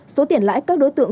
số tiền lãi các đối tượng